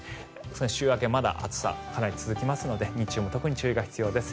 週明け、まだ暑さが続きますので日中も特に注意が必要です。